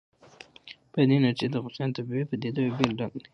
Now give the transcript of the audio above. بادي انرژي د افغانستان د طبیعي پدیدو یو بېل رنګ دی.